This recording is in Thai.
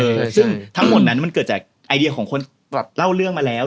ซึ่งทั้งหมดนั้นมันเกิดจากไอเดียของคนแบบเล่าเรื่องมาแล้ว